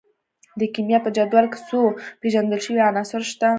د کیمیا په جدول کې څو پیژندل شوي عناصر شته.